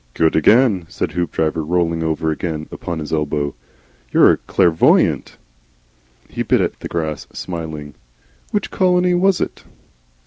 "Good again," said Hoopdriver, rolling over again into her elbow. "You're a CLAIRVOY ant." He bit at the grass, smiling. "Which colony was it?"